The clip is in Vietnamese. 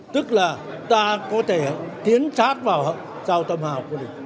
tức là ta có thể tiến sát vào sau tầm hào của địch